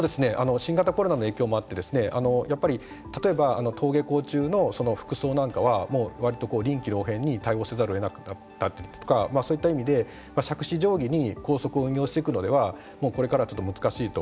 新型コロナの影響もあって例えば、登下校中の服装なんかはもう割と臨機応変に対応せざるを得なかったりとかそういった意味でしゃくし定規に校則を運用していくのではもうこれからはちょっと難しいと。